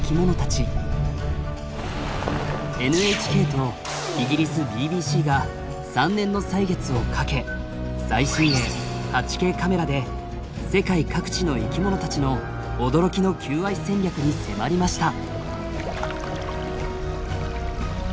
ＮＨＫとイギリスＢＢＣが３年の歳月をかけ最新鋭８Ｋカメラで世界各地の生きものたちの驚きの求愛戦略に迫りました。